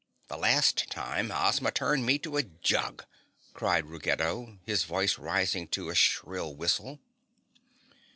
The last time Ozma turned me to a jug!" cried Ruggedo, his voice rising to a shrill whistle.